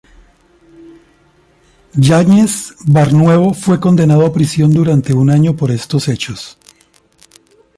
Yáñez-Barnuevo fue condenado a prisión durante un año por estos hechos.